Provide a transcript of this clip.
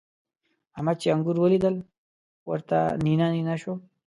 احمد چې انګور وليدل؛ ورته نينه نينه شو.